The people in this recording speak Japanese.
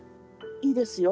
いいですよ。